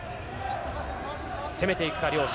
攻めていくか両者。